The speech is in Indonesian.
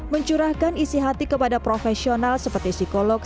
mencurahkan isi hati kepada profesional seperti psikolog